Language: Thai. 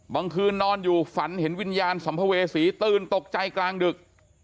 คืนนอนอยู่ฝันเห็นวิญญาณสัมภเวษีตื่นตกใจกลางดึก